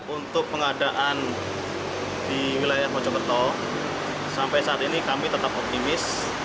untuk pengadaan di wilayah mojokerto sampai saat ini kami tetap optimis